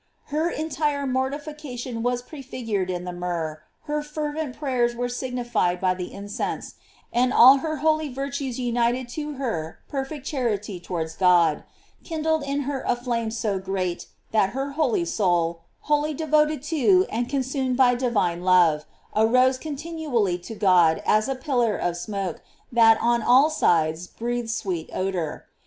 Her entire mortification was prefigured in the myrrh, her fervent pray ers were signified by the incense, and all her holy virtues united to her perfect charity tow ards God, kindled in her a flame so great, that her holy soul, wholly devoted to, and consumed by divine love, arose continually to God as a pillar of smoke that on all sides breathed sweet odor.